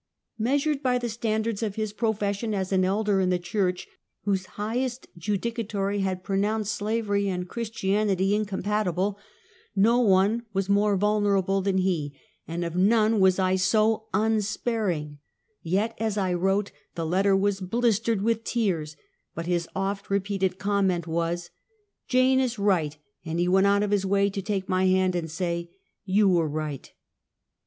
Measured by the standards of his profes sion as an elder in the church, whose highest judica tory had pronounced slavery and Christianity incom patible; no one was more vulnerble than he, and of none was I so unsparing, yet as I wrote, the letter was blistered with tears; but his oft repeated comment was: "Jane is right," and he went out of his way to take my hand and say, " You were right."